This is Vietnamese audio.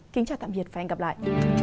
kính chào tạm biệt và hẹn gặp lại